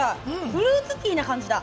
フルーツティーな感じだ。